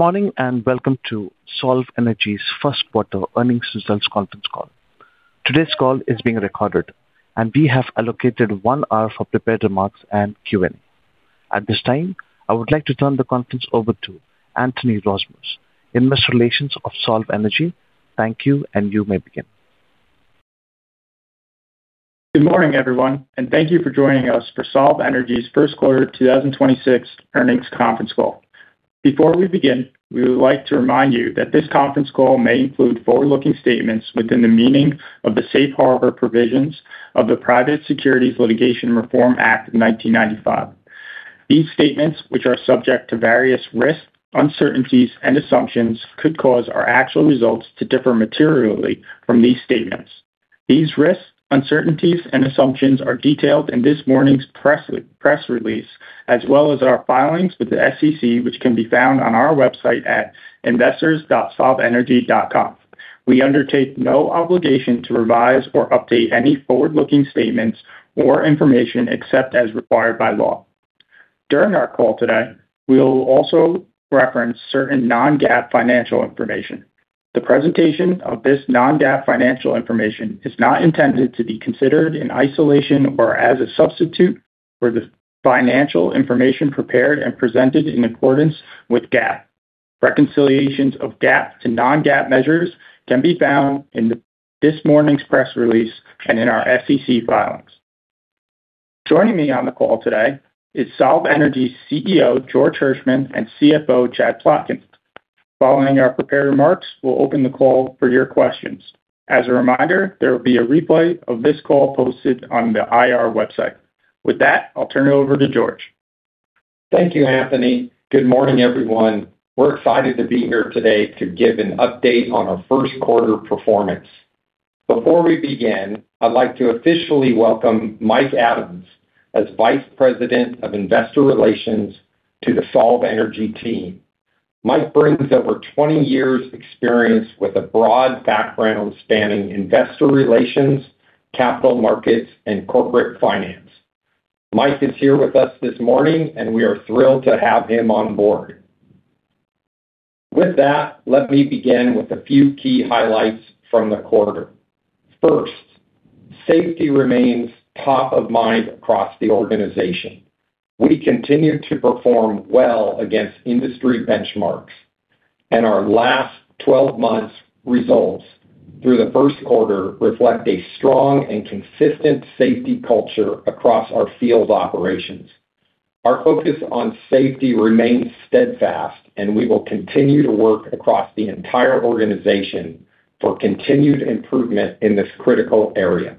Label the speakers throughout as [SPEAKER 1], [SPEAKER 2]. [SPEAKER 1] Good morning, welcome to SOLV Energy's first quarter earnings results conference call. Today's call is being recorded, and we have allocated one hour for prepared remarks and Q&A. At this time, I would like to turn the conference over to Anthony Rozmus, Investor Relations of SOLV Energy. Thank you, and you may begin.
[SPEAKER 2] Good morning, everyone, thank you for joining us for SOLV Energy's first quarter 2026 earnings conference call. Before we begin, we would like to remind you that this conference call may include forward-looking statements within the meaning of the safe harbor provisions of the Private Securities Litigation Reform Act of 1995. These statements, which are subject to various risks, uncertainties, and assumptions, could cause our actual results to differ materially from these statements. These risks, uncertainties, and assumptions are detailed in this morning's press release, as well as our filings with the SEC, which can be found on our website at investors.solvenergy.com. We undertake no obligation to revise or update any forward-looking statements or information except as required by law. During our call today, we'll also reference certain non-GAAP financial information. The presentation of this non-GAAP financial information is not intended to be considered in isolation or as a substitute for the financial information prepared and presented in accordance with GAAP. Reconciliations of GAAP to non-GAAP measures can be found in this morning's press release and in our SEC filings. Joining me on the call today is SOLV Energy's CEO, George Hershman, and CFO, Chad Plotkin. Following our prepared remarks, we'll open the call for your questions. As a reminder, there will be a replay of this call posted on the IR website. With that, I'll turn it over to George.
[SPEAKER 3] Thank you, Anthony. Good morning, everyone. We're excited to be here today to give an update on our first quarter performance. Before we begin, I'd like to officially welcome Mike Adams as Vice President of Investor Relations to the SOLV Energy team. Mike brings over 20 years experience with a broad background spanning investor relations, capital markets, and corporate finance. Mike is here with us this morning, and we are thrilled to have him on board. With that, let me begin with a few key highlights from the quarter. First, safety remains top of mind across the organization. We continue to perform well against industry benchmarks, and our last 12 months results through the first quarter reflect a strong and consistent safety culture across our field operations. Our focus on safety remains steadfast, and we will continue to work across the entire organization for continued improvement in this critical area.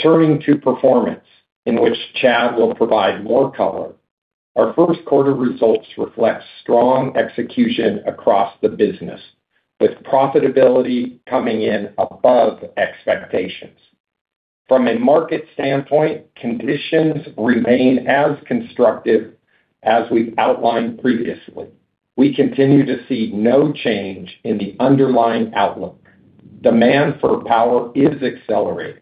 [SPEAKER 3] Turning to performance, in which Chad will provide more color, our first quarter results reflect strong execution across the business, with profitability coming in above expectations. From a market standpoint, conditions remain as constructive as we've outlined previously. We continue to see no change in the underlying outlook. Demand for power is accelerating.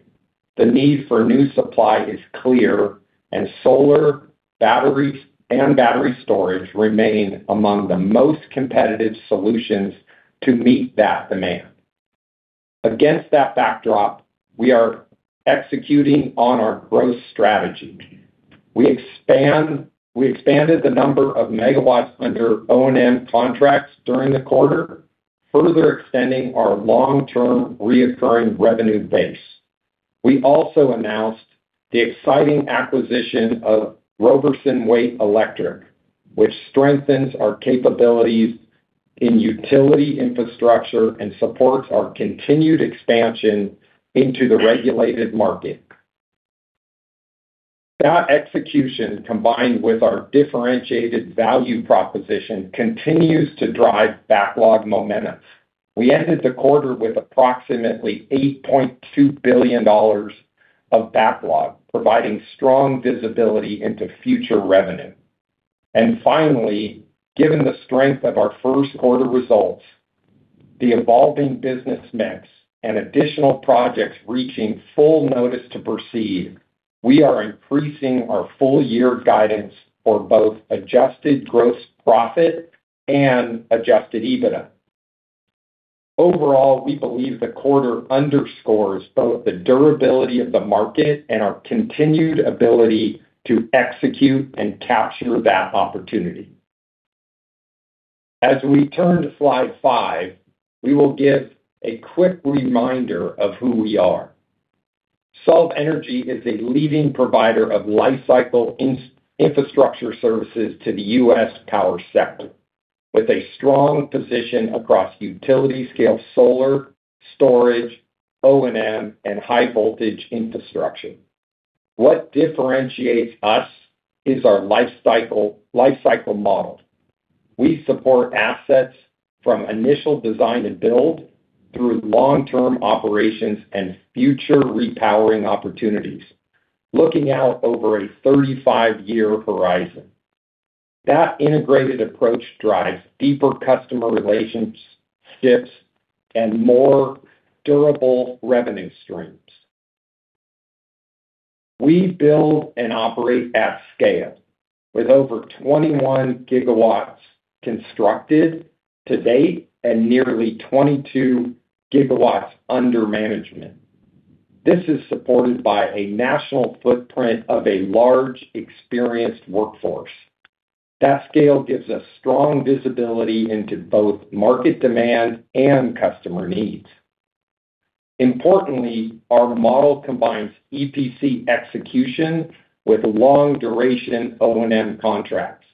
[SPEAKER 3] The need for new supply is clear, and solar batteries and battery storage remain among the most competitive solutions to meet that demand. Against that backdrop, we are executing on our growth strategy. We expanded the number of MW under O&M contracts during the quarter, further extending our long-term reoccurring revenue base. We also announced the exciting acquisition of Roberson Waite Electric, which strengthens our capabilities in utility infrastructure and supports our continued expansion into the regulated market. That execution, combined with our differentiated value proposition, continues to drive backlog momentum. We ended the quarter with approximately $8.2 billion of backlog, providing strong visibility into future revenue. Finally, given the strength of our first quarter results, the evolving business mix, and additional projects reaching full notice to proceed, we are increasing our full year guidance for both adjusted gross profit and adjusted EBITDA. Overall, we believe the quarter underscores both the durability of the market and our continued ability to execute and capture that opportunity. As we turn to slide five, we will give a quick reminder of who we are. SOLV Energy is a leading provider of lifecycle infrastructure services to the US power sector, with a strong position across utility scale solar, storage, O&M, and high voltage infrastructure. What differentiates us is our lifecycle model. We support assets from initial design and build through long-term operations and future repowering opportunities, looking out over a 35-year horizon. That integrated approach drives deeper customer relations, fits, and more durable revenue streams. We build and operate at scale with over 21 GW constructed to date and nearly 22 GW under management. This is supported by a national footprint of a large, experienced workforce. That scale gives us strong visibility into both market demand and customer needs. Importantly, our model combines EPC execution with long-duration O&M contracts,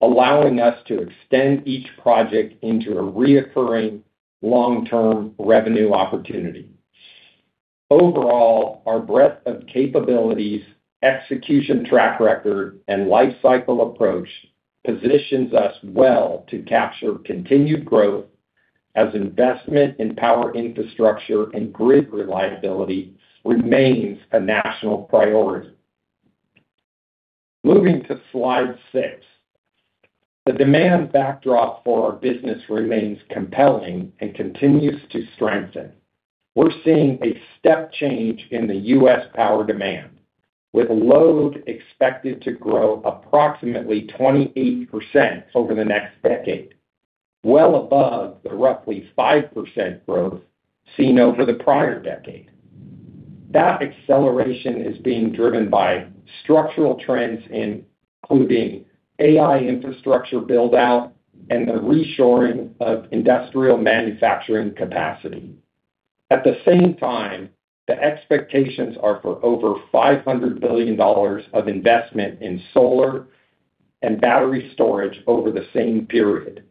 [SPEAKER 3] allowing us to extend each project into a reoccurring long-term revenue opportunity. Overall, our breadth of capabilities, execution track record, and lifecycle approach positions us well to capture continued growth as investment in power infrastructure and grid reliability remains a national priority. Moving to slide six. The demand backdrop for our business remains compelling and continues to strengthen. We're seeing a step change in the U.S. power demand, with load expected to grow approximately 28% over the next decade, well above the roughly 5% growth seen over the prior decade. That acceleration is being driven by structural trends including AI infrastructure build-out and the reshoring of industrial manufacturing capacity. At the same time, the expectations are for over $500 billion of investment in solar and battery storage over the same period,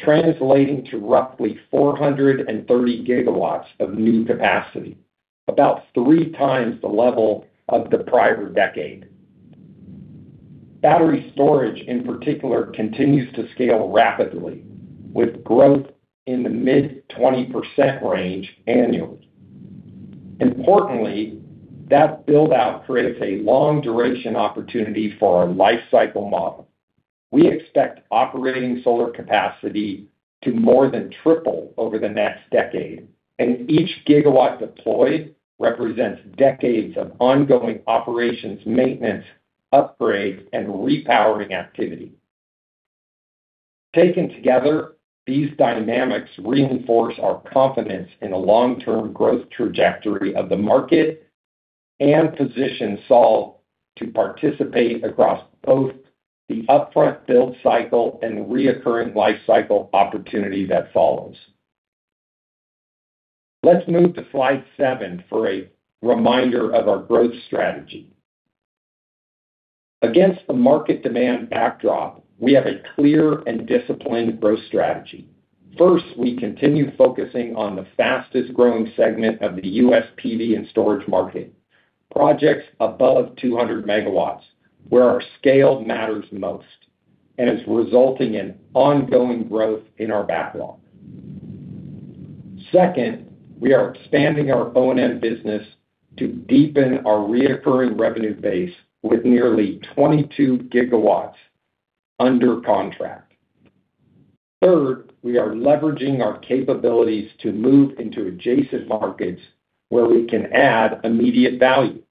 [SPEAKER 3] translating to roughly 430 GW of new capacity, about three times the level of the prior decade. Battery storage, in particular, continues to scale rapidly, with growth in the mid-20% range annually. Importantly, that build-out creates a long-duration opportunity for our lifecycle model. We expect operating solar capacity to more than triple over the next decade, and each gigawatt deployed represents decades of ongoing operations, maintenance, upgrades, and repowering activity. Taken together, these dynamics reinforce our confidence in the long-term growth trajectory of the market and position SOLV to participate across both the upfront build cycle and reoccurring lifecycle opportunity that follows. Let's move to slide seven for a reminder of our growth strategy. Against the market demand backdrop, we have a clear and disciplined growth strategy. First, we continue focusing on the fastest-growing segment of the U.S. PV and storage market, projects above 200 MW, where our scale matters most and is resulting in ongoing growth in our backlog. Second, we are expanding our O&M business to deepen our reoccurring revenue base with nearly 22 GW under contract. Third, we are leveraging our capabilities to move into adjacent markets where we can add immediate value.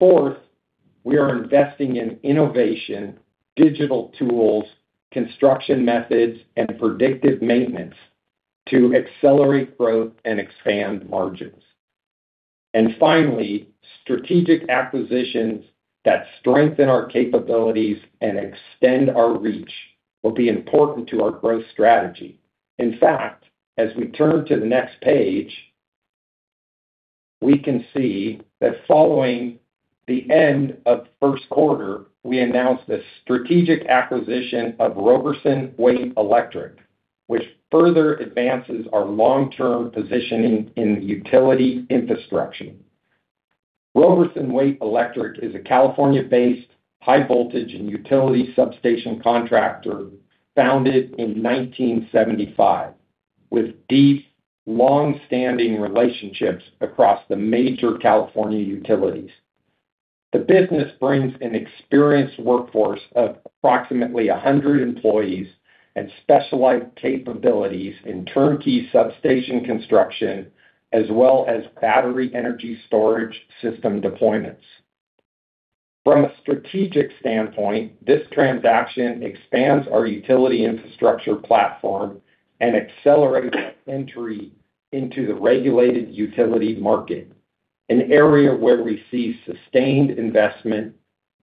[SPEAKER 3] Fourth, we are investing in innovation, digital tools, construction methods, and predictive maintenance to accelerate growth and expand margins. Finally, strategic acquisitions that strengthen our capabilities and extend our reach will be important to our growth strategy. In fact, as we turn to the next page, we can see that following the end of first quarter, we announced the strategic acquisition of Roberson Waite Electric, which further advances our long-term positioning in utility infrastructure. Roberson Waite Electric is a California-based high voltage and utility substation contractor founded in 1975 with deep, long-standing relationships across the major California utilities. The business brings an experienced workforce of approximately 100 employees and specialized capabilities in turnkey substation construction, as well as battery energy storage system deployments. From a strategic standpoint, this transaction expands our utility infrastructure platform and accelerates our entry into the regulated utility market, an area where we see sustained investment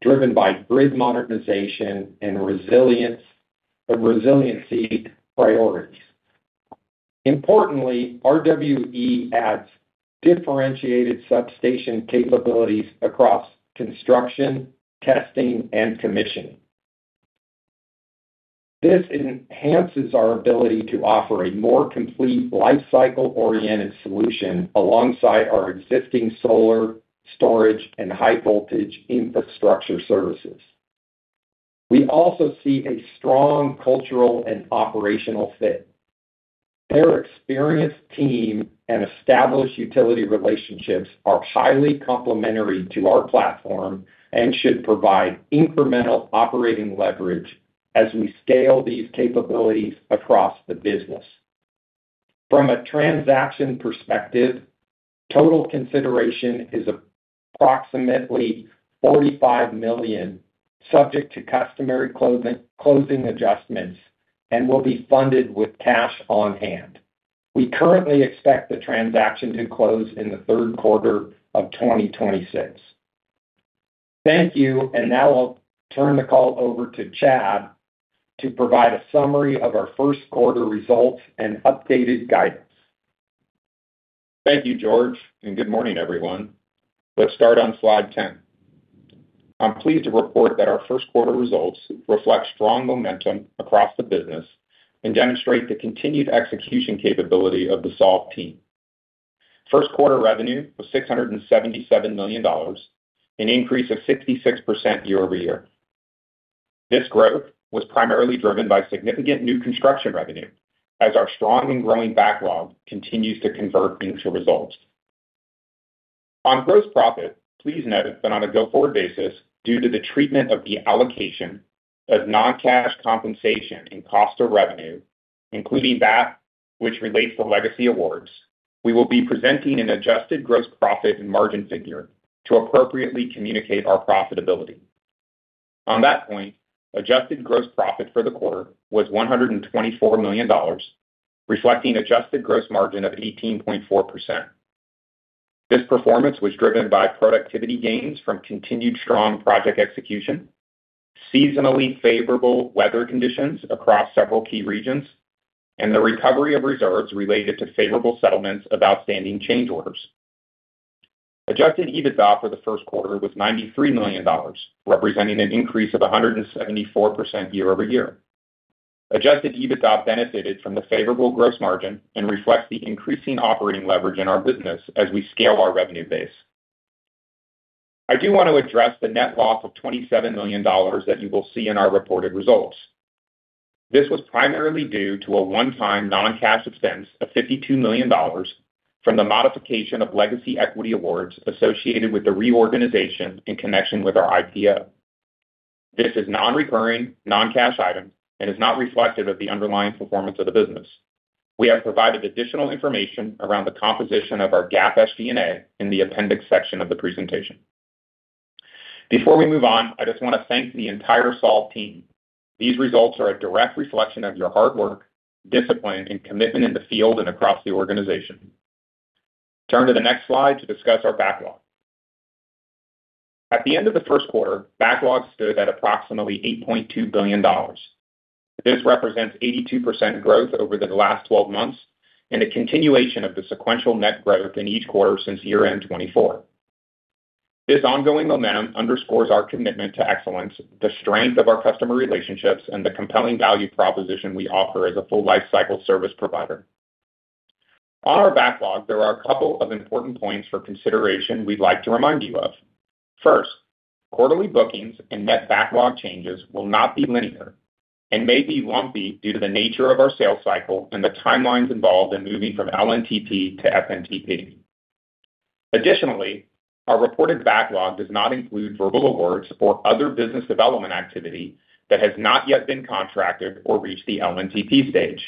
[SPEAKER 3] driven by grid modernization and resiliency priorities. Importantly, RWE adds differentiated substation capabilities across construction, testing, and commissioning. This enhances our ability to offer a more complete lifecycle-oriented solution alongside our existing solar, storage, and high-voltage infrastructure services. We also see a strong cultural and operational fit. Their experienced team and established utility relationships are highly complementary to our platform and should provide incremental operating leverage as we scale these capabilities across the business. From a transaction perspective, total consideration is approximately $45 million, subject to customary closing adjustments and will be funded with cash on hand. We currently expect the transaction to close in the third quarter of 2026. Thank you. Now I'll turn the call over to Chad to provide a summary of our first quarter results and updated guidance.
[SPEAKER 4] Thank you, George. Good morning, everyone. Let's start on slide 10. I'm pleased to report that our first quarter results reflect strong momentum across the business and demonstrate the continued execution capability of the SOLV team. First quarter revenue was $677 million, an increase of 66% year-over-year. This growth was primarily driven by significant new construction revenue as our strong and growing backlog continues to convert into results. On gross profit, please note that on a go-forward basis, due to the treatment of the allocation of non-cash compensation and cost of revenue, including that which relates to legacy awards, we will be presenting an adjusted gross profit and margin figure to appropriately communicate our profitability. On that point, adjusted gross profit for the quarter was $124 million, reflecting adjusted gross margin of 18.4%. This performance was driven by productivity gains from continued strong project execution, seasonally favorable weather conditions across several key regions, and the recovery of reserves related to favorable settlements of outstanding change orders. Adjusted EBITDA for the first quarter was $93 million, representing an increase of 174% year-over-year. Adjusted EBITDA benefited from the favorable gross margin and reflects the increasing operating leverage in our business as we scale our revenue base. I do want to address the net loss of $27 million that you will see in our reported results. This was primarily due to a one-time non-cash expense of $52 million from the modification of legacy equity awards associated with the reorganization in connection with our IPO. This is non-recurring, non-cash item and is not reflective of the underlying performance of the business. We have provided additional information around the composition of our GAAP SG&A in the appendix section of the presentation. Before we move on, I just want to thank the entire SOLV team. These results are a direct reflection of your hard work, discipline, and commitment in the field and across the organization. Turn to the next slide to discuss our backlog. At the end of the first quarter, backlog stood at approximately $8.2 billion. This represents 82% growth over the last 12 months and a continuation of the sequential net growth in each quarter since year-end 2024. This ongoing momentum underscores our commitment to excellence, the strength of our customer relationships, and the compelling value proposition we offer as a full lifecycle service provider. On our backlog, there are a couple of important points for consideration we'd like to remind you of. First, quarterly bookings and net backlog changes will not be linear and may be lumpy due to the nature of our sales cycle and the timelines involved in moving from LNTP to FNTP. Additionally, our reported backlog does not include verbal awards or other business development activity that has not yet been contracted or reached the LNTP stage.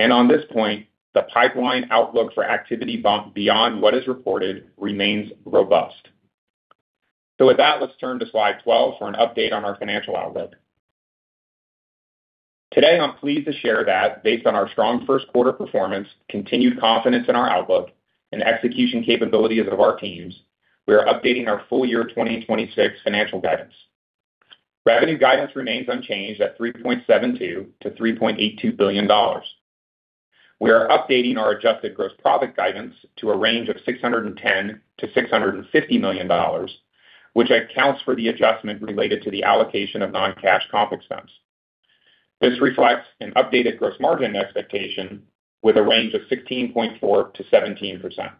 [SPEAKER 4] On this point, the pipeline outlook for activity bump beyond what is reported remains robust. With that, let's turn to slide 12 for an update on our financial outlook. Today, I'm pleased to share that based on our strong first quarter performance, continued confidence in our outlook and execution capabilities of our teams, we are updating our full year 2026 financial guidance. Revenue guidance remains unchanged at $3.72 billion-$3.82 billion. We are updating our adjusted gross profit guidance to a range of $610 million-$650 million, which accounts for the adjustment related to the allocation of non-cash comp expense. This reflects an updated gross margin expectation with a range of 16.4%-17%.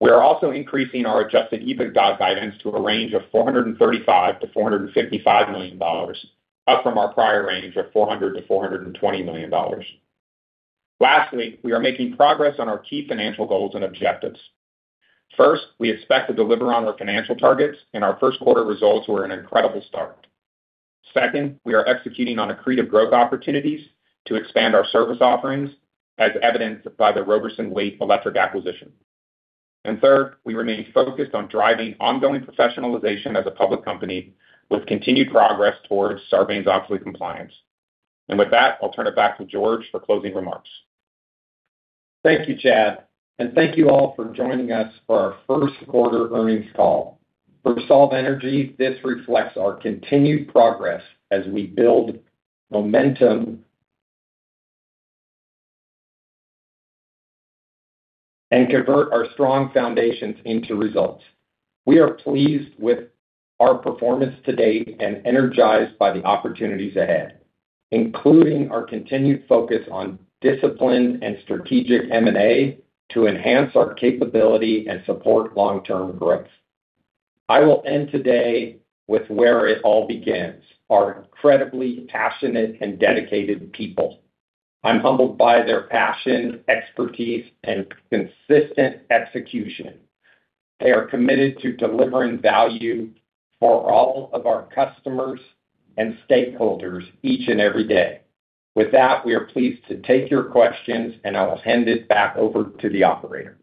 [SPEAKER 4] We are also increasing our adjusted EBITDA guidance to a range of $435 million-$455 million, up from our prior range of $400 million-$420 million. Lastly, we are making progress on our key financial goals and objectives. First, we expect to deliver on our financial targets, and our first quarter results were an incredible start. Second, we are executing on accretive growth opportunities to expand our service offerings as evidenced by the Roberson Waite Electric acquisition. Third, we remain focused on driving ongoing professionalization as a public company with continued progress towards Sarbanes-Oxley compliance. With that, I'll turn it back to George for closing remarks.
[SPEAKER 3] Thank you, Chad, and thank you all for joining us for our first quarter earnings call. For SOLV Energy, this reflects our continued progress as we build momentum and convert our strong foundations into results. We are pleased with our performance to date and energized by the opportunities ahead, including our continued focus on disciplined and strategic M&A to enhance our capability and support long-term growth. I will end today with where it all begins, our incredibly passionate and dedicated people. I'm humbled by their passion, expertise, and consistent execution. They are committed to delivering value for all of our customers and stakeholders each and every day. With that, we are pleased to take your questions. I will hand it back over to the operator.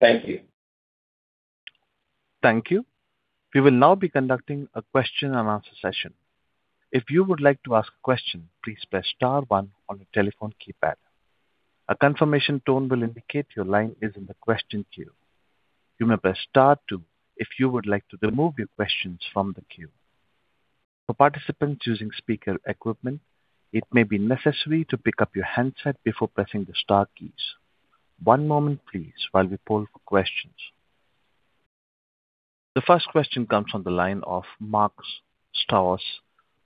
[SPEAKER 3] Thank you.
[SPEAKER 1] Thank you. We will now be conducting a question and answer session. If you would like to ask a question, please press star one on your telephone keypad. A confirmation tone will indicate your line is in the question queue. You may press star two if you would like to remove your questions from the queue. For participants using speaker equipment, it may be necessary to pick up your handset before pressing the star keys. One moment please while we poll for questions. The first question comes from the line of Mark Strouse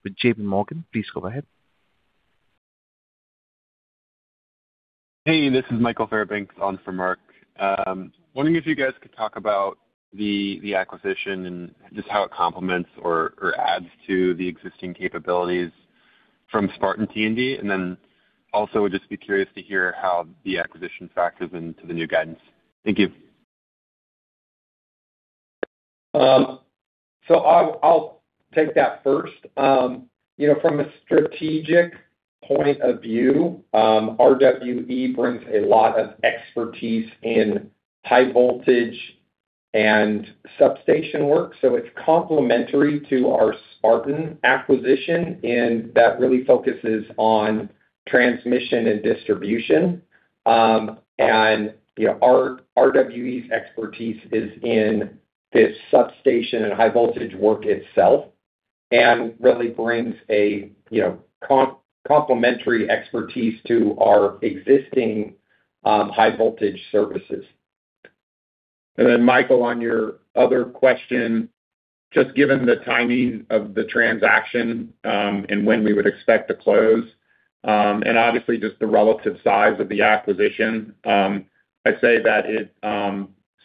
[SPEAKER 1] with JPMorgan. Please go ahead.
[SPEAKER 5] Hey, this is Michael Fairbanks on for Mark. I'm wondering if you guys could talk about the acquisition and just how it complements or adds to the existing capabilities from Spartan T&D. Also, I would just be curious to hear how the acquisition factors into the new guidance. Thank you.
[SPEAKER 3] I'll take that first. You know, from a strategic point of view, RWE brings a lot of expertise in high voltage and substation work, so it's complementary to our Spartan acquisition, and that really focuses on transmission and distribution. You know, our RWE's expertise is in this substation and high voltage work itself and really brings a, you know, complementary expertise to our existing high voltage services. Michael, on your other question, just given the timing of the transaction, and when we would expect to close, and obviously just the relative size of the acquisition, I'd say that it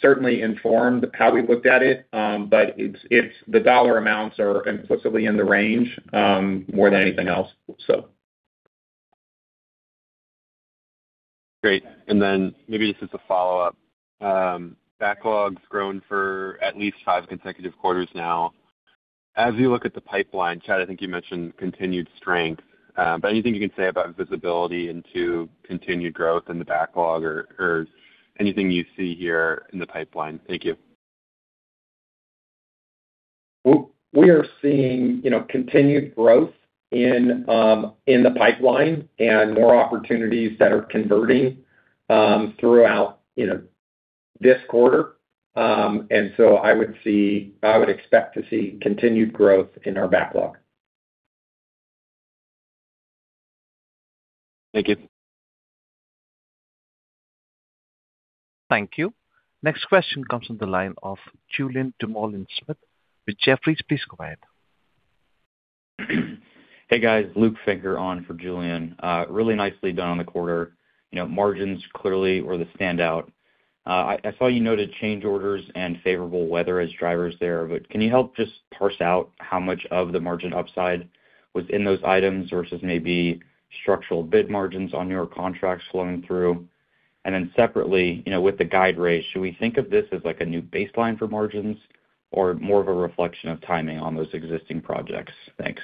[SPEAKER 3] certainly informed how we looked at it. It's the dollar amounts are implicitly in the range, more than anything else.
[SPEAKER 5] Great. Maybe just as a follow-up, backlog's grown for at least five consecutive quarters now. As you look at the pipeline, Chad, I think you mentioned continued strength. Anything you can say about visibility into continued growth in the backlog or anything you see here in the pipeline? Thank you.
[SPEAKER 3] We are seeing, you know, continued growth in the pipeline and more opportunities that are converting throughout, you know, this quarter. I would expect to see continued growth in our backlog.
[SPEAKER 5] Thank you.
[SPEAKER 1] Thank you. Next question comes from the line of Julien Dumoulin-Smith with Jefferies. Please go ahead.
[SPEAKER 6] Hey, guys. Nick Figa on for Julien. Really nicely done on the quarter. You know, margins clearly were the standout. I saw you noted change orders and favorable weather as drivers there. Can you help just parse out how much of the margin upside was in those items versus maybe structural bid margins on your contracts flowing through? Separately, you know, with the guide raise, should we think of this as like a new baseline for margins or more of a reflection of timing on those existing projects? Thanks.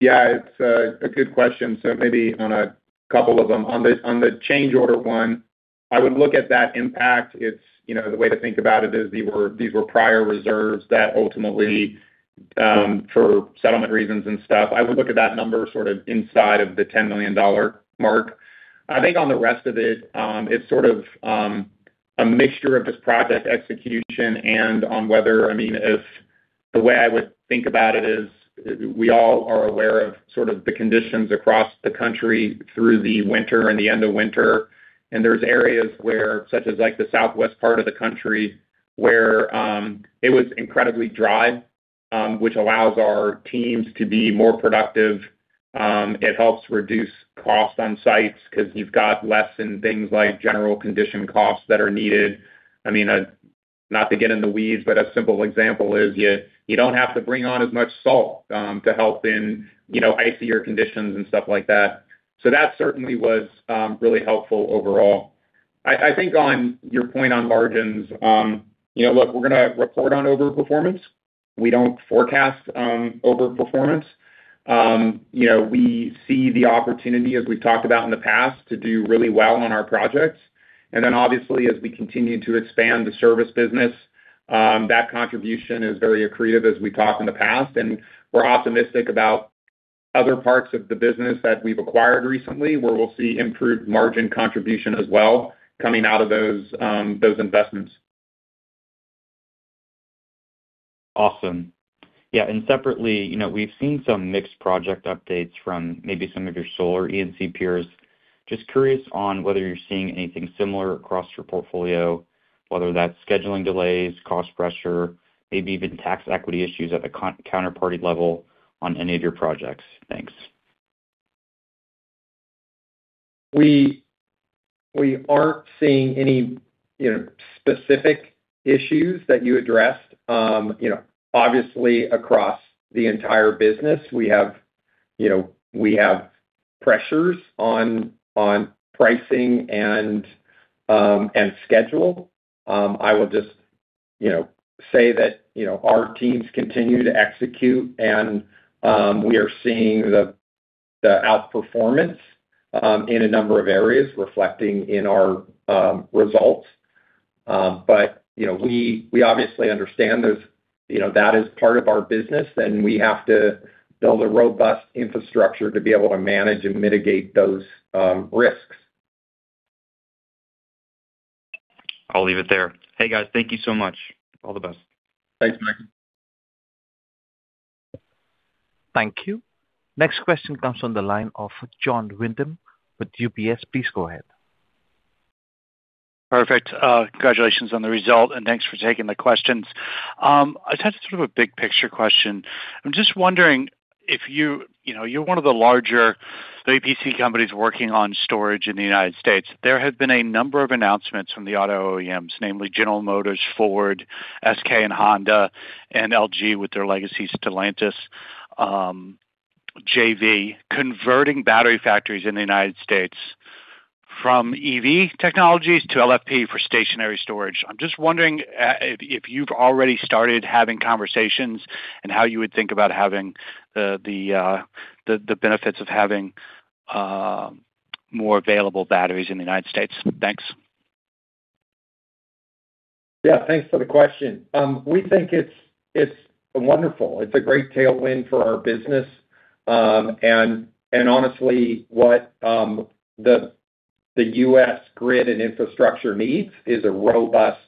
[SPEAKER 3] Yeah, it's a good question, so maybe on a couple of them. On the change order one, I would look at that impact. It's, you know, the way to think about it is these were prior reserves that ultimately, for settlement reasons and stuff, I would look at that number sort of inside of the $10 million mark. I think on the rest of it's sort of a mixture of just project execution and on whether. I mean, if the way I would think about it is we all are aware of sort of the conditions across the country through the winter and the end of winter. There's areas where, such as like the southwest part of the country, where it was incredibly dry, which allows our teams to be more productive. It helps reduce costs on sites because you've got less in things like general condition costs that are needed. I mean, not to get in the weeds, but a simple example is you don't have to bring on as much salt to help in, you know, icier conditions and stuff like that. That certainly was really helpful overall. I think on your point on margins, you know, look, we're gonna report on overperformance. We don't forecast overperformance. You know, we see the opportunity, as we've talked about in the past, to do really well on our projects. Then obviously, as we continue to expand the service business, that contribution is very accretive, as we've talked in the past. We're optimistic about other parts of the business that we've acquired recently, where we'll see improved margin contribution as well coming out of those investments.
[SPEAKER 6] Awesome. Separately, you know, we've seen some mixed project updates from maybe some of your solar E&C peers. Just curious on whether you're seeing anything similar across your portfolio, whether that's scheduling delays, cost pressure, maybe even tax equity issues at the counterparty level on any of your projects. Thanks.
[SPEAKER 3] We aren't seeing any, you know, specific issues that you addressed. You know, obviously across the entire business, we have, you know, pressures on pricing and schedule. I will just, you know, say that, you know, our teams continue to execute and we are seeing the outperformance in a number of areas reflecting in our results. You know, we obviously understand. You know, that is part of our business, and we have to build a robust infrastructure to be able to manage and mitigate those risks.
[SPEAKER 6] I'll leave it there. Hey, guys, thank you so much. All the best.
[SPEAKER 3] Thanks, Nick.
[SPEAKER 1] Thank you. Next question comes from the line of Jon Windham with UBS. Please go ahead.
[SPEAKER 7] Perfect. Congratulations on the result, and thanks for taking the questions. I just had sort of a big picture question. I'm just wondering if you know, you're one of the larger EPC companies working on storage in the United States. There have been a number of announcements from the auto OEMs, namely General Motors, Ford, SK, and Honda, and LG with their legacy Stellantis, JV, converting battery factories in the United States from EV technologies to LFP for stationary storage. I'm just wondering, if you've already started having conversations and how you would think about having the benefits of having more available batteries in the United States. Thanks.
[SPEAKER 3] Yeah, thanks for the question. We think it's wonderful. It's a great tailwind for our business. Honestly, what the U.S. grid and infrastructure needs is a robust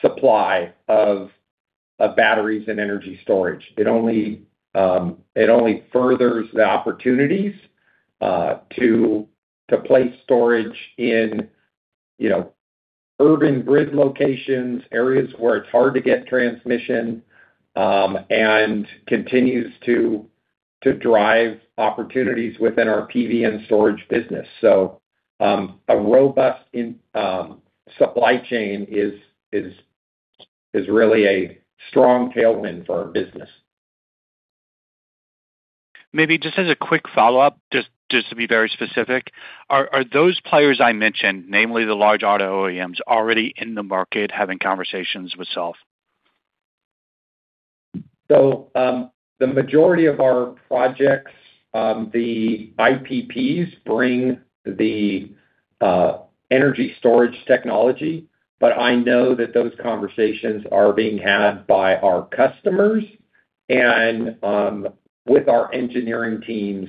[SPEAKER 3] supply of batteries and energy storage. It only furthers the opportunities to place storage in, you know, urban grid locations, areas where it's hard to get transmission, and continues to drive opportunities within our PV and storage business. A robust supply chain is really a strong tailwind for our business.
[SPEAKER 7] Maybe just as a quick follow-up, just to be very specific. Are those players I mentioned, namely the large auto OEMs, already in the market having conversations with SOLV?
[SPEAKER 3] The majority of our projects, the IPPs bring the energy storage technology, but I know that those conversations are being had by our customers and with our engineering teams.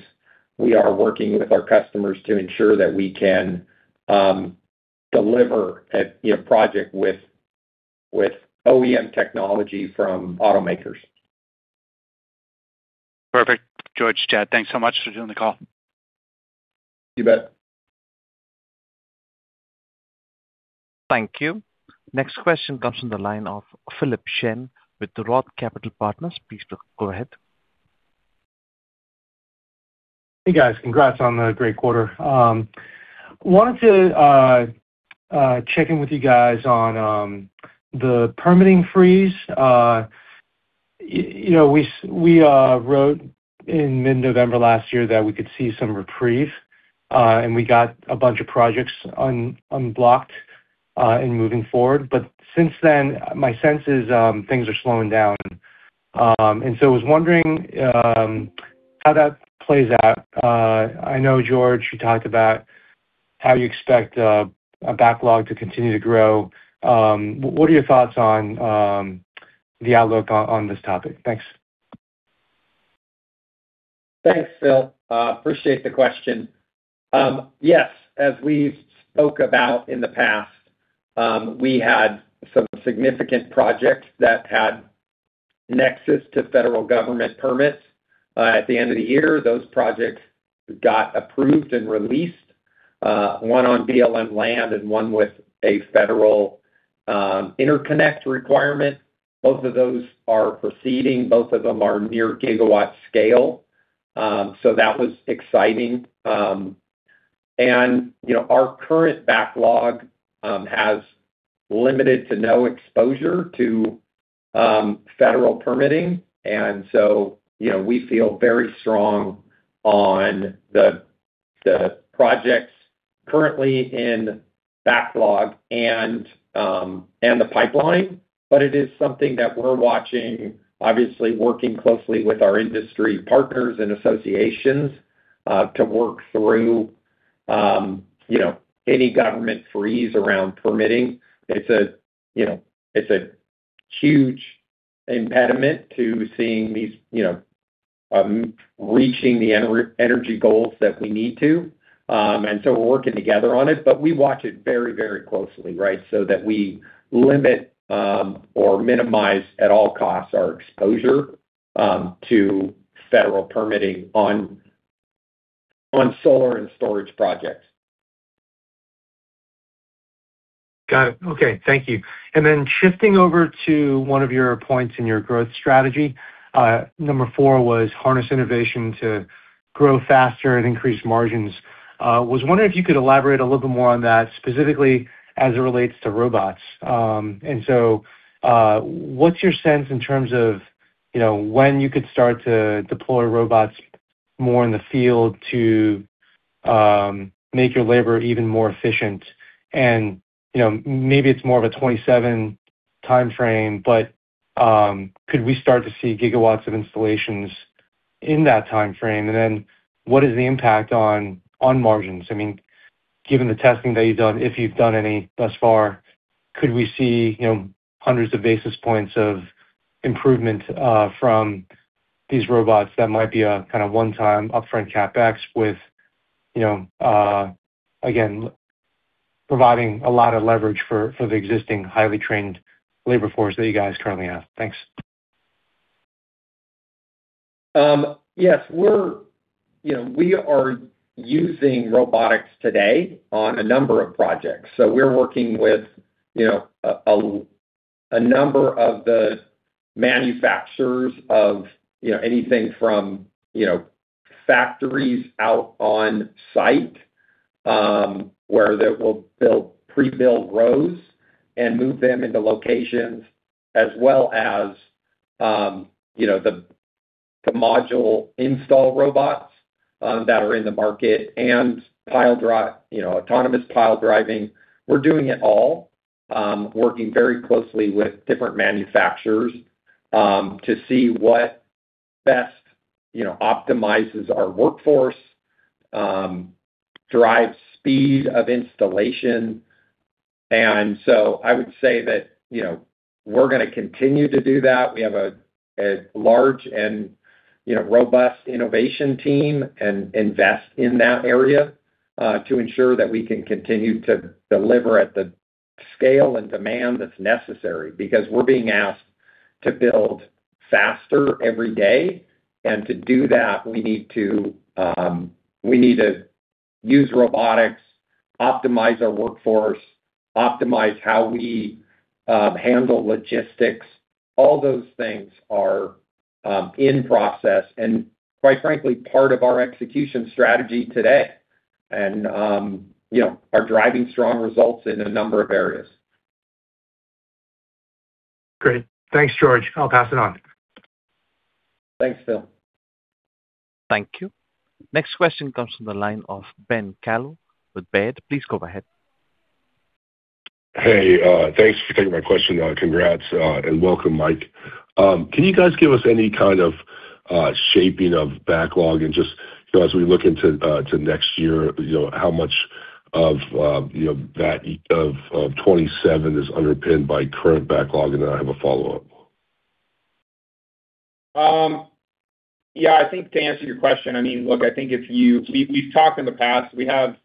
[SPEAKER 3] We are working with our customers to ensure that we can, you know, deliver a project with OEM technology from automakers.
[SPEAKER 7] Perfect. George, Chad, thanks so much for doing the call.
[SPEAKER 3] You bet.
[SPEAKER 1] Thank you. Next question comes from the line of Philip Shen with the ROTH Capital Partners. Please go ahead.
[SPEAKER 8] Hey, guys. Congrats on the great quarter. wanted to check in with you guys on the permitting freeze. you know, we wrote in mid-November last year that we could see some reprieve, and we got a bunch of projects unblocked in moving forward. Since then, my sense is, things are slowing down. I was wondering how that plays out. I know, George, you talked about how you expect a backlog to continue to grow. What are your thoughts on the outlook on this topic? Thanks.
[SPEAKER 3] Thanks, Philip Shen. Appreciate the question. Yes, as we've spoken about in the past, we had some significant projects that had nexus to federal government permits. At the end of the year, those projects got approved and released, one on BLM land and one with a federal interconnect requirement. Both of those are proceeding. Both of them are near GW scale. That was exciting. You know, our current backlog has limited to no exposure to federal permitting. You know, we feel very strong on the projects currently in backlog and the pipeline. It is something that we're watching, obviously working closely with our industry partners and associations to work through, you know, any government freeze around permitting. It's a, you know, it's a huge impediment to seeing these, you know, reaching the energy goals that we need to. We're working together on it. We watch it very, very closely, right, that we limit, or minimize at all costs our exposure to federal permitting on solar and storage projects.
[SPEAKER 8] Got it. Okay. Thank you. Shifting over to one of your points in your growth strategy. Number four was harness innovation to grow faster and increase margins. Was wondering if you could elaborate a little bit more on that, specifically as it relates to robots. What's your sense in terms of, you know, when you could start to deploy robots more in the field to make your labor even more efficient? You know, maybe it's more of a 2027 timeframe, but could we start to see gigawatts of installations in that timeframe? What is the impact on margins? I mean, given the testing that you've done, if you've done any thus far, could we see, you know, hundreds of basis points of improvement from these robots that might be a kind of one-time upfront CapEx with, you know, again, providing a lot of leverage for the existing highly trained labor force that you guys currently have? Thanks.
[SPEAKER 3] Yes, you know, we are using robotics today on a number of projects. We're working with, you know, a number of the manufacturers of, you know, anything from, you know, factories out on site, where they will build pre-built rows and move them into locations, as well as, you know, the module install robots that are in the market and pile drive, you know, autonomous pile driving. We're doing it all, working very closely with different manufacturers to see what best, you know, optimizes our workforce, drives speed of installation. I would say that, you know, we're gonna continue to do that. We have a large and, you know, robust innovation team and invest in that area to ensure that we can continue to deliver at the scale and demand that's necessary. Because we're being asked to build faster every day. To do that, we need to, we need to use robotics, optimize our workforce, optimize how we handle logistics. All those things are in process and, quite frankly, part of our execution strategy today and umm, you know, are driving strong results in a number of areas.
[SPEAKER 8] Great. Thanks, George. I'll pass it on.
[SPEAKER 3] Thanks, Phil.
[SPEAKER 1] Thank you. Next question comes from the line of Ben Kallo with Baird. Please go ahead.
[SPEAKER 9] Hey. Thanks for taking my question. Congrats and welcome, Mike. Can you guys give us any kind of shaping of backlog and just, you know, as we look to next year, you know, how much of, you know, that of 27 is underpinned by current backlog? I have a follow-up.
[SPEAKER 4] Yeah, I think to answer your question, I mean, look, I think if We've talked in the past, we have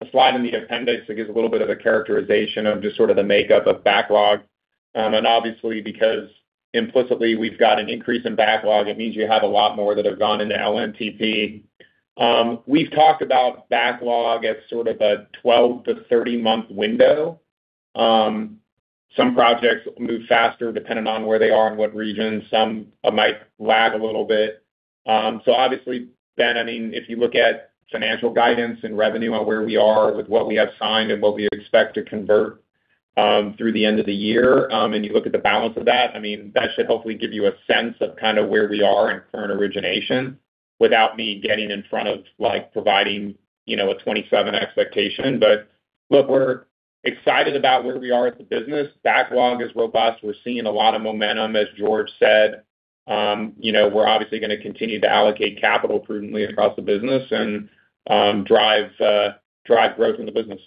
[SPEAKER 4] a slide in the appendix that gives a little bit of a characterization of just sort of the makeup of backlog. Obviously, because implicitly we've got an increase in backlog, it means you have a lot more that have gone into LNTP. We've talked about backlog as sort of a 12 to 30-month window. Some projects move faster depending on where they are and what region. Some might lag a little bit. Obviously, Ben, I mean, if you look at financial guidance and revenue on where we are with what we have signed and what we expect to convert through the end of the year, and you look at the balance of that, I mean, that should hopefully give you a sense of kind of where we are in current origination without me getting in front of, like, providing, you know, a 2027 expectation. Look, we're excited about where we are as a business. Backlog is robust. We're seeing a lot of momentum, as George said. you know, we're obviously gonna continue to allocate capital prudently across the business and drive growth in the business.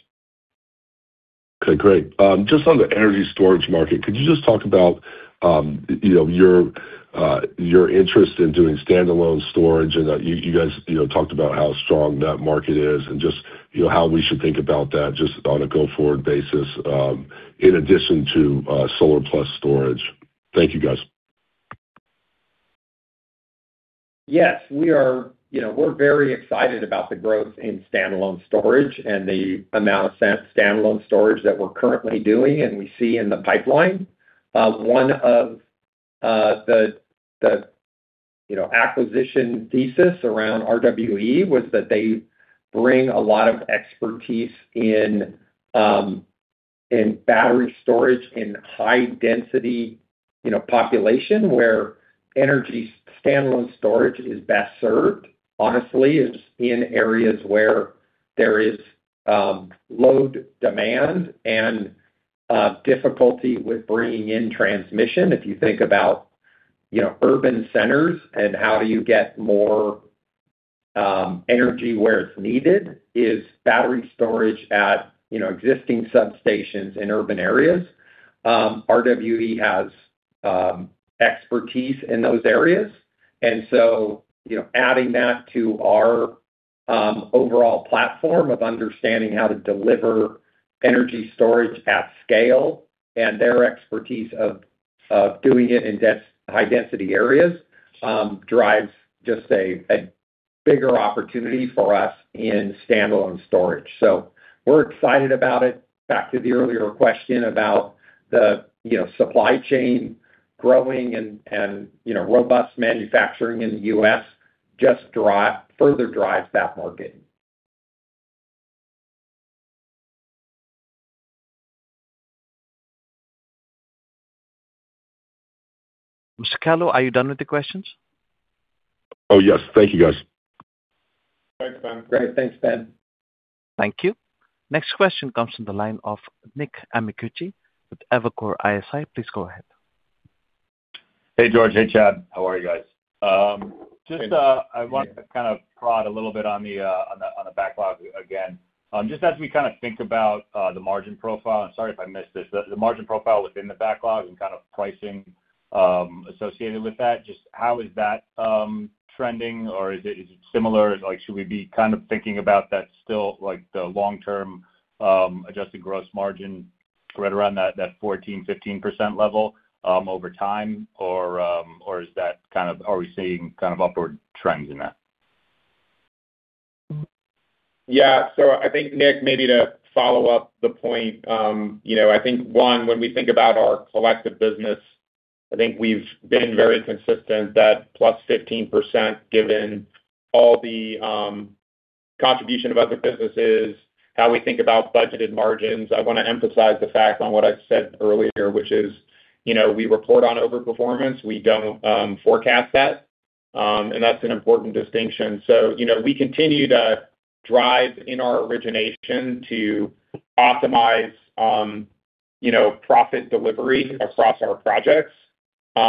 [SPEAKER 9] Great. Just on the energy storage market, could you just talk about, you know, your interest in doing standalone storage? You guys, you know, talked about how strong that market is and just, you know, how we should think about that just on a go-forward basis, in addition to, solar plus storage. Thank you, guys.
[SPEAKER 3] Yes, we are. You know, we're very excited about the growth in standalone storage and the amount of standalone storage that we're currently doing and we see in the pipeline. One of the, you know, acquisition thesis around RWE was that they bring a lot of expertise in battery storage in high density, you know, population where energy standalone storage is best served, honestly, is in areas where there is load demand and difficulty with bringing in transmission. If you think about, you know, urban centers and how do you get more energy where it's needed is battery storage at, you know, existing substations in urban areas. RWE has expertise in those areas. You know, adding that to our overall platform of understanding how to deliver energy storage at scale and their expertise of doing it in high density areas drives just a bigger opportunity for us in standalone storage. We're excited about it. Back to the earlier question about the, you know, supply chain growing and, you know, robust manufacturing in the U.S. just further drives that market.
[SPEAKER 1] Mr. Kallo, are you done with the questions?
[SPEAKER 9] Oh, yes. Thank you, guys.
[SPEAKER 3] Thanks, Ben.
[SPEAKER 4] Great. Thanks, Ben.
[SPEAKER 1] Thank you. Next question comes from the line of Nicholas Amicucci with Evercore ISI. Please go ahead.
[SPEAKER 10] Hey, George. Hey, Chad. How are you guys? Just, I wanted to kind of prod a little bit on the backlog again. Just as we kind of think about the margin profile, and sorry if I missed this, the margin profile within the backlog and kind of pricing associated with that, just how is that trending or is it similar? Like, should we be kind of thinking about that still like the long-term adjusted gross margin right around that 14%,15% level over time? Or is that kind of, are we seeing kind of upward trends in that?
[SPEAKER 4] Yeah. I think Nick, maybe to follow up the point, you know, I think, one, when we think about our collective business, I think we've been very consistent that plus 15%, given all the umm, contribution of other businesses, how we think about budgeted margins. I want to emphasize the fact on what I said earlier, which is, you know, we report on overperformance. We don't forecast that. Umm and that's an important distinction. You know, we continue to drive in our origination to optimize, you know, profit delivery across our projects. You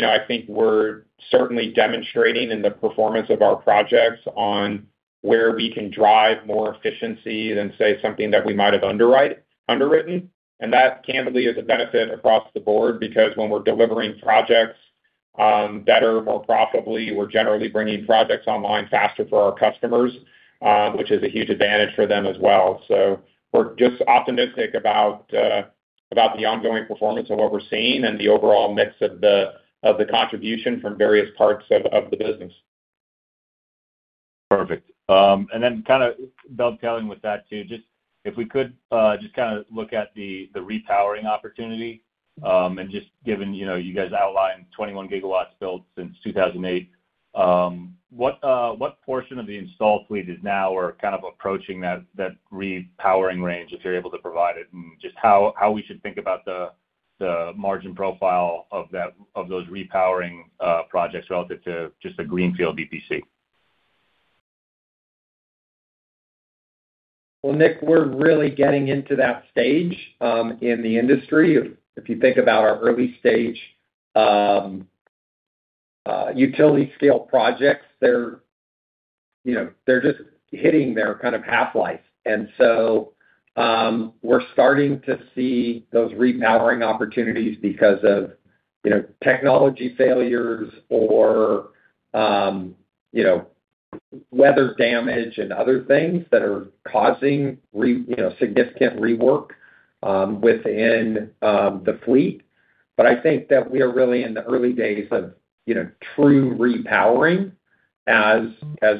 [SPEAKER 4] know, I think we're certainly demonstrating in the performance of our projects on where we can drive more efficiency than, say, something that we might have underwritten.
[SPEAKER 3] That candidly is a benefit across the board because when we're delivering projects, better, more profitably, we're generally bringing projects online faster for our customers, which is a huge advantage for them as well. We're just optimistic about the ongoing performance of what we're seeing and the overall mix of the contribution from various parts of the business.
[SPEAKER 10] Perfect. Then kinda dovetailing with that too, just if we could just kinda look at the repowering opportunity. Just given, you know, you guys outlined 21 GW built since 2008, what portion of the installed fleet is now or kind of approaching that repowering range, if you're able to provide it? Just how we should think about the margin profile of that, of those repowering projects relative to just a greenfield EPC.
[SPEAKER 3] Nick, we're really getting into that stage in the industry. If you think about our early-stage utility scale projects, they're, you know, they're just hitting their kind of half-life. We're starting to see those repowering opportunities because of, you know, technology failures or, you know, weather damage and other things that are causing, you know, significant rework within the fleet. I think that we are really in the early days of, you know, true repowering as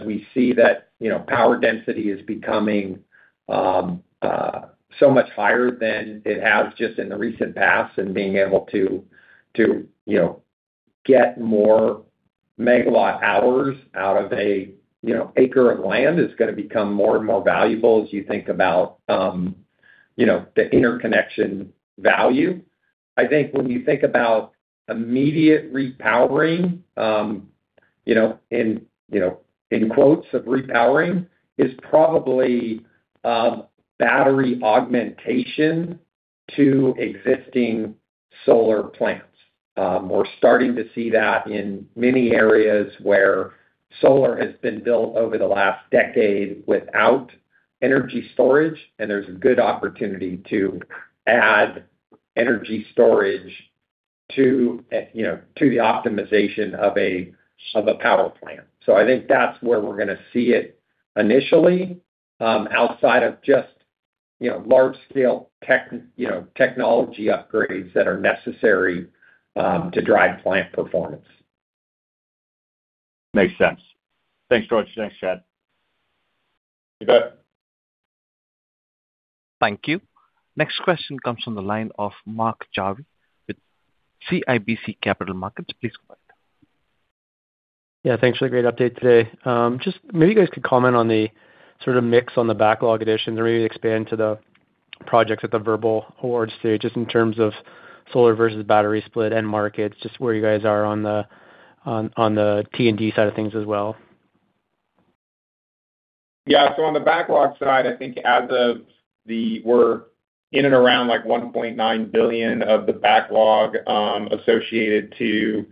[SPEAKER 3] we see that, you know, power density is becoming so much higher than it has just in the recent past and being able to, you know, get more megawatt hours out of a, you know, 1 acre of land is gonna become more and more valuable as you think about, you know, the interconnection value. I think when you think about immediate repowering, in quotes of repowering, is probably battery augmentation to existing solar plants. We're starting to see that in many areas where solar has been built over the last decade without energy storage, and there's a good opportunity to add energy storage to the optimization of a power plant. I think that's where we're gonna see it initially, outside of just large scale technology upgrades that are necessary to drive plant performance.
[SPEAKER 10] Makes sense. Thanks, George. Thanks, Chad.
[SPEAKER 3] You bet.
[SPEAKER 1] Thank you. Next question comes from the line of Mark Jarvi with CIBC Capital Markets. Please go ahead.
[SPEAKER 11] Thanks for the great update today. Just maybe you guys could comment on the sort of mix on the backlog addition to really expand to the projects at the verbal awards today, just in terms of solar versus battery split and markets, just where you guys are on the T&D side of things as well.
[SPEAKER 4] Yeah. On the backlog side, I think as of the we're in and around like $1.9 billion of the backlog associated to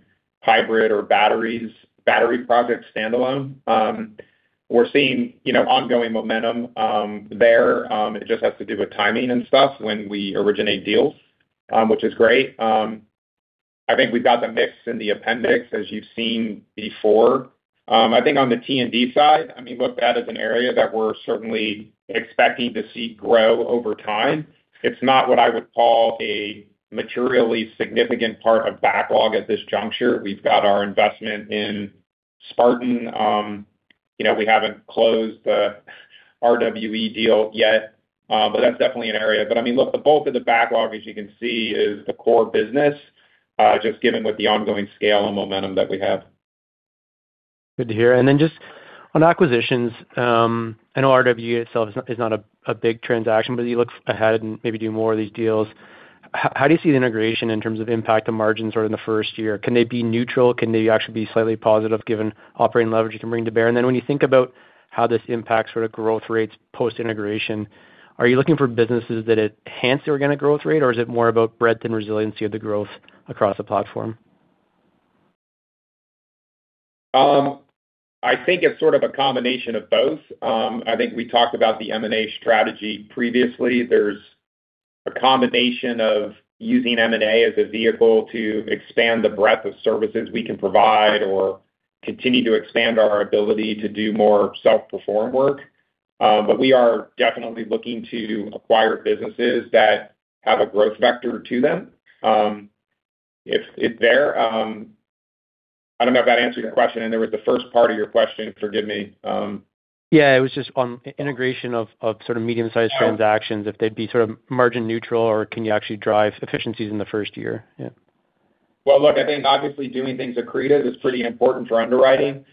[SPEAKER 4] hybrid or battery projects standalone. We're seeing, you know, ongoing momentum there. It just has to do with timing and stuff when we originate deals, which is great. I think we've got the mix in the appendix, as you've seen before. I think on the T&D side, I mean, look, that is an area that we're certainly expecting to see grow over time. It's not what I would call a materially significant part of backlog at this juncture. We've got our investment in Spartan, you know, we haven't closed the RWE deal yet, but that's definitely an area. I mean, look, the bulk of the backlog, as you can see, is the core business, just given with the ongoing scale and momentum that we have.
[SPEAKER 11] Good to hear. Just on acquisitions, I know RWE itself is not a big transaction, but you look ahead and maybe do more of these deals. How do you see the integration in terms of impact on margins sort of in the first year? Can they be neutral? Can they actually be slightly positive given operating leverage you can bring to bear? When you think about how this impacts sort of growth rates post-integration, are you looking for businesses that enhance the organic growth rate, or is it more about breadth and resiliency of the growth across the platform?
[SPEAKER 4] I think it's sort of a combination of both. I think we talked about the M&A strategy previously. There's a combination of using M&A as a vehicle to expand the breadth of services we can provide or continue to expand our ability to do more self-perform work. We are definitely looking to acquire businesses that have a growth vector to them. I don't know if that answered your question, and there was the first part of your question. Forgive me.
[SPEAKER 11] Yeah. It was just on integration of sort of medium-sized transactions, if they'd be sort of margin neutral or can you actually drive efficiencies in the first year? Yeah.
[SPEAKER 4] Well, look, I think obviously doing things accretive is pretty important for underwriting.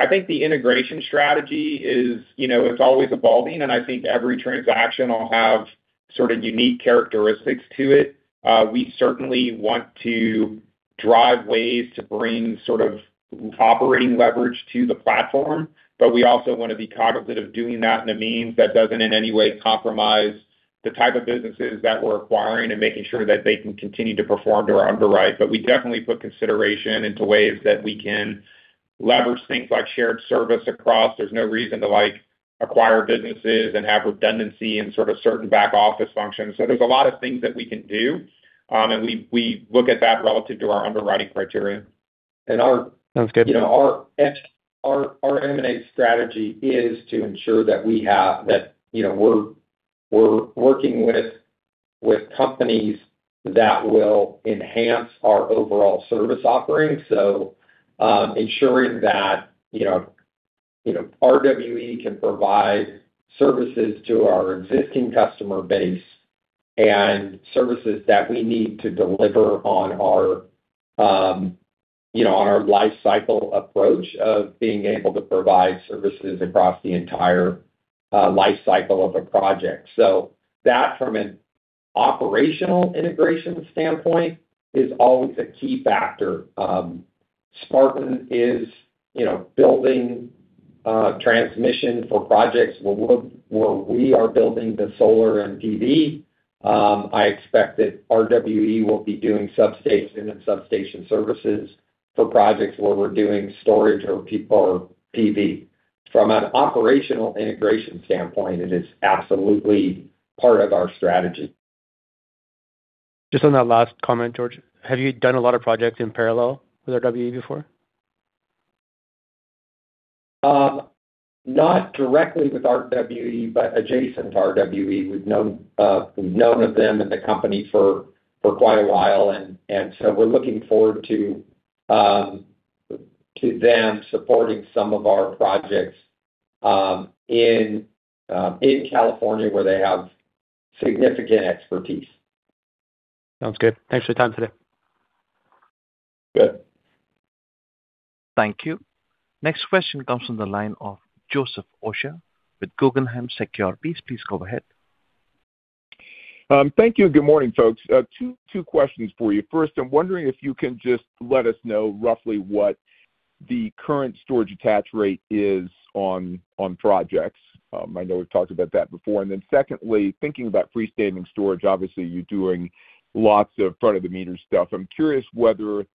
[SPEAKER 4] I think the integration strategy is, you know, it's always evolving, and I think every transaction will have sort of unique characteristics to it. We certainly want to drive ways to bring sort of operating leverage to the platform, but we also wanna be cognizant doing that in a means that doesn't in any way compromise the type of businesses that we're acquiring and making sure that they can continue to perform to our underwrite. We definitely put consideration into ways that we can leverage things like shared service across. There's no reason to, like, acquire businesses and have redundancy in sort of certain back office functions. There's a lot of things that we can do, and we look at that relative to our underwriting criteria.
[SPEAKER 11] Sounds good.
[SPEAKER 3] You know, our M&A strategy is to ensure that we have that, you know, we're working with companies that will enhance our overall service offering. Ensuring that, you know, RWE can provide services to our existing customer base and services that we need to deliver on our, you know, on our life cycle approach of being able to provide services across the entire life cycle of a project. That from an operational integration standpoint is always a key factor. Spartan is, you know, building transmission for projects where we're building the solar and PV. I expect that RWE will be doing substation and substation services for projects where we're doing storage or PV. From an operational integration standpoint, it is absolutely part of our strategy.
[SPEAKER 11] Just on that last comment, George, have you done a lot of projects in parallel with RWE before?
[SPEAKER 3] Not directly with RWE, but adjacent to RWE. We've known of them and the company for quite a while, and so we're looking forward to them supporting some of our projects in California where they have significant expertise.
[SPEAKER 11] Sounds good. Thanks for your time today.
[SPEAKER 3] Good.
[SPEAKER 1] Thank you. Next question comes from the line of Joseph Osha with Guggenheim Securities. Please go ahead.
[SPEAKER 12] Thank you. Good morning, folks. Two questions for you. First, I'm wondering if you can just let us know roughly what the current storage attach rate is on projects. I know we've talked about that before. Secondly, thinking about freestanding storage, obviously you're doing lots of front of the meter stuff. I'm curious whether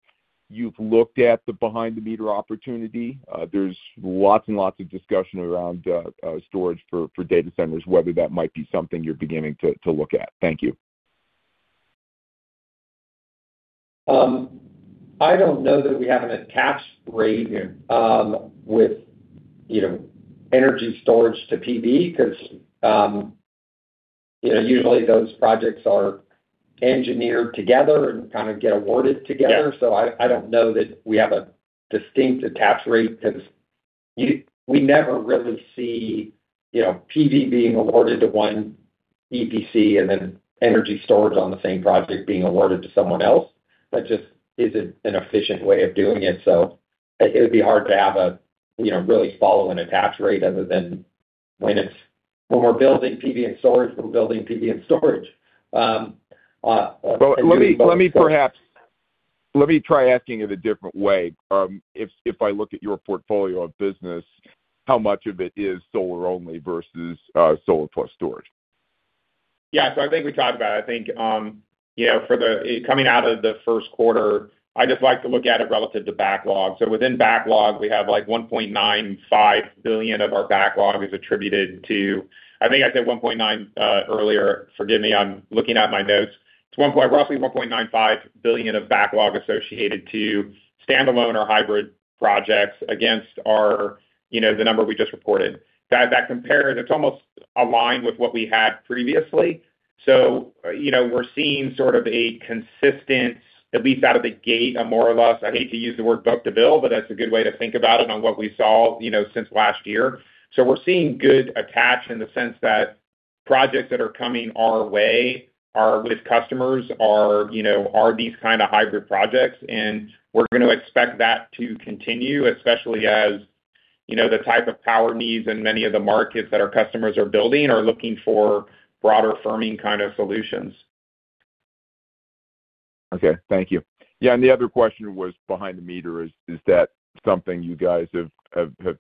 [SPEAKER 12] you've looked at the behind the meter opportunity. There's lots and lots of discussion around storage for data centers, whether that might be something you're beginning to look at. Thank you.
[SPEAKER 3] I don't know that we have an attached rate, with, you know, energy storage to PV 'cause, you know, usually those projects are engineered together and kinda get awarded together.
[SPEAKER 12] Yeah.
[SPEAKER 3] I don't know that we have a distinct attached rate 'cause we never really see, you know, PV being awarded to one EPC and then energy storage on the same project being awarded to someone else. That just isn't an efficient way of doing it. It'd be hard to have a, you know, really solid attached rate other than when we're building PV and storage, we're building PV and storage.
[SPEAKER 12] Well, let me try asking it a different way. If I look at your portfolio of business, how much of it is solar only versus solar plus storage?
[SPEAKER 4] Yeah. I think we talked about it. I think, you know, coming out of the first quarter, I just like to look at it relative to backlog. Within backlog, we have like $1.95 billion of our backlog is attributed to-- I think I said $1.9 billion earlier. Forgive me, I'm looking at my notes. It's roughly $1.95 billion of backlog associated to standalone or hybrid projects against our, you know, the number we just reported. That compared, it's almost aligned with what we had previously. You know, we're seeing sort of a consistent, at least out of the gate, a more or less, I hate to use the word book to bill, but that's a good way to think about it on what we saw, you know, since last year. We're seeing good attach in the sense that projects that are coming our way are with customers are, you know, are these kinda hybrid projects, and we're gonna expect that to continue, especially as, you know, the type of power needs in many of the markets that our customers are building are looking for broader firming kind of solutions.
[SPEAKER 12] Okay. Thank you. The other question was behind the meter. Is that something you guys have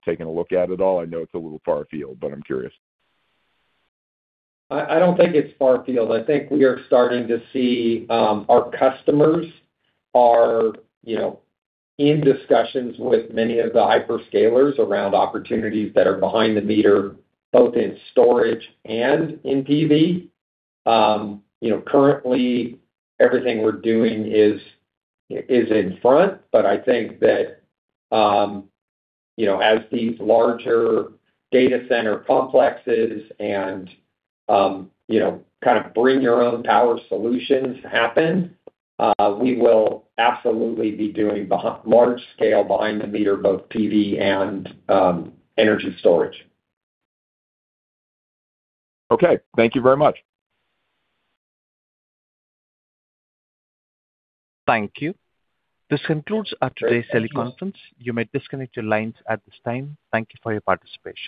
[SPEAKER 12] taken a look at at all? I know it's a little far afield, but I'm curious.
[SPEAKER 4] I don't think it's far field. I think we are starting to see, our customers are, you know, in discussions with many of the hyperscalers around opportunities that are behind the meter, both in storage and in PV. You know, currently everything we're doing is in front, but I think that, you know, as these larger data center complexes and, you know, kind of bring your own power solutions happen, we will absolutely be doing large scale behind the meter, both PV and energy storage.
[SPEAKER 12] Okay. Thank you very much.
[SPEAKER 1] Thank you. This concludes our today's teleconference. You may disconnect your lines at this time. Thank you for your participation.